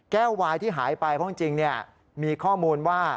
วายที่หายไปเพราะจริงมีข้อมูลว่า